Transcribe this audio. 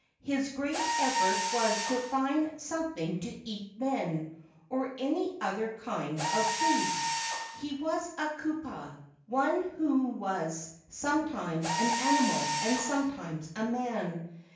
His great effort was to find something to eat—men or any other kind of food. He was a kupua—one who was sometimes an animal and sometimes a man.